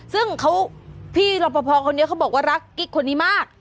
ซึ่งเขาพี่รับประพอคนเดียวเขาบอกว่ารักกิ๊กคนนี้มาก